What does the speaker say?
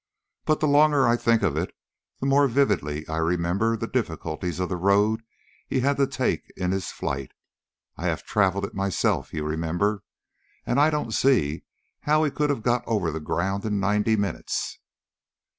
But the longer I think of it the more vividly I remember the difficulties of the road he had to take in his flight. I have travelled it myself, you remember, and I don't see how he could have got over the ground in ninety minutes."